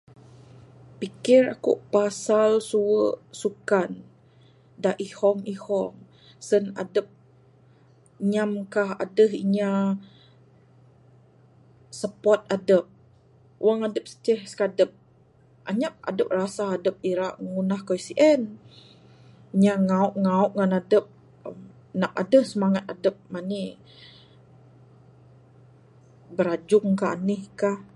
Pikir ku'k pasal suwu sukan da ihong ihong sen adup nyam kah aduh inya support adup. Wang adup ceh sekadup, anyap rasa adup ira ngundah kayuh sien. Inya nyauk ngauk ngan adup, nak adup semangat adup mani, biranjung kah anih kah.